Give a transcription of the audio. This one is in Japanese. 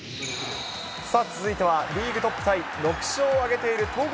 さあ、続いてはリーグトップタイ６勝を挙げている戸郷